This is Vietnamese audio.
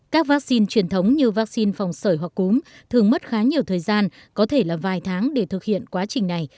các vaccine truyền thống như vaccine phòng sởi hoặc cúm thường mất khá nhiều thời gian có thể là vài tháng để thực hiện quá trình này